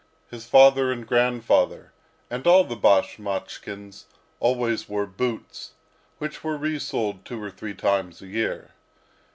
His father and grandfather, and all the Bashmachkins, always wore boots, which were resoled two or three times a year.